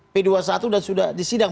p dua puluh satu dan sudah disidang